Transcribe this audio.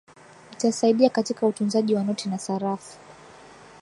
itasaidia katika utunzaji wa noti na sarafu